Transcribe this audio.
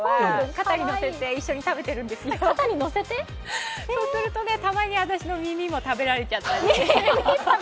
肩にのせて一緒に食べてるんですけど、そうすると私の耳も食べられちゃったり。